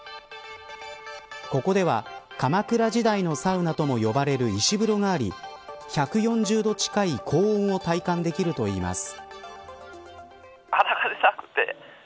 ここでは鎌倉時代のサウナとも呼ばれる石風呂があり１４０度近い高温を体感できるといいます。